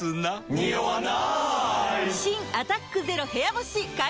ニオわない！